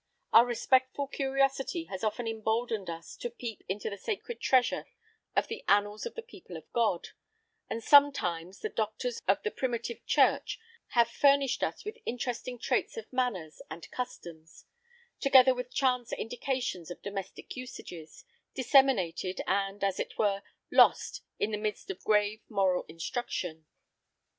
Our respectful curiosity has often emboldened us to peep into the sacred treasure of the annals of the people of God; and sometimes the doctors of the Primitive Church have furnished us with interesting traits of manners and customs, together with chance indications of domestic usages, disseminated, and, as it were, lost in the midst of grave moral instruction.